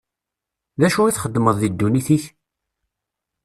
D acu i txeddmeḍ deg ddunit-k?